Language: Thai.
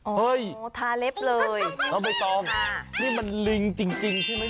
โอ้ยทาเล็บเลยน้องมันลิงจริงใช่ไหมเนี่ย